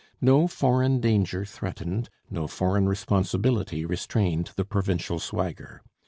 No foreign danger threatened, no foreign responsibility restrained the provincial swagger.